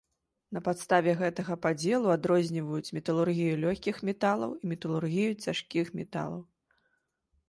На падставе гэтага падзелу адрозніваюць металургію лёгкіх металаў і металургію цяжкіх металаў.